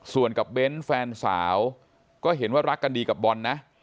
ส่วนกับเบ้นแฟนสาวก็เห็นว่ารักกันดีกับบอลนะ